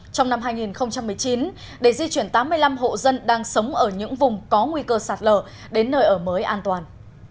trong năm hai nghìn một mươi chín để di chuyển tám mươi năm hộ dân đang sống ở những vùng có nguy cơ sạt lở đến nơi ở mới an toàn